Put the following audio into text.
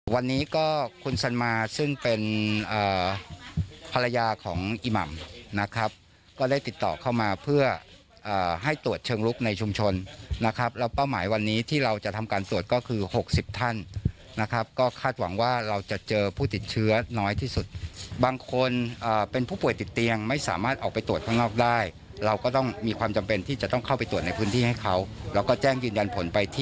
วันนี้ก็คุณสันมาซึ่งเป็นภรรยาของอิหม่ำนะครับก็ได้ติดต่อเข้ามาเพื่อให้ตรวจเชิงลุกในชุมชนนะครับแล้วเป้าหมายวันนี้ที่เราจะทำการตรวจก็คือ๖๐ท่านนะครับก็คาดหวังว่าเราจะเจอผู้ติดเชื้อน้อยที่สุดบางคนเป็นผู้ป่วยติดเตียงไม่สามารถออกไปตรวจข้างนอกได้เราก็ต้องมีความจำเป็นที่จะต้องเข้าไปตรวจในพื้นที่ให้เขาแล้วก็แจ้งยืนยันผลไปที่